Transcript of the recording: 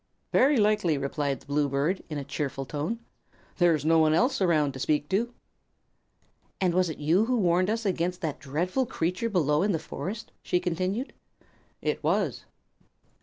"Very likely," replied the blue bird, in a cheerful tone. "There's no one else around to speak to." "And was it you who warned us against that dreadful creature below in the forest?" she continued. "It was."